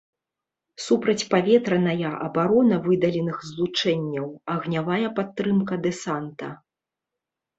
Супрацьпаветраная абарона выдаленых злучэнняў, агнявая падтрымка дэсанта.